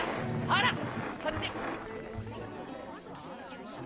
ほらこっち。